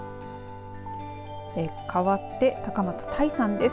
かわって高松、田井さんです。